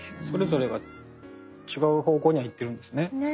それぞれが違う方向にはいってるんですね